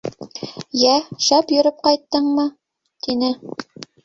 — Йә, шәп йөрөп ҡайттыңмы? — тине.